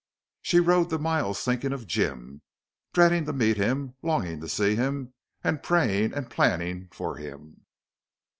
She rode the miles thinking of Jim, dreading to meet him, longing to see him, and praying and planning for him.